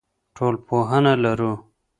ټولنپوهنه لرو.